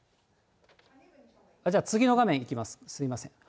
じゃあ、次の画面いきます、すみません。